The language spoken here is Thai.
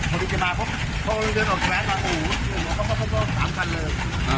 ผลิตรบาปกฏโทรศัพท์มาอู๋รถหนึ่งมันก็พร้อมพร่อม๓คันเลย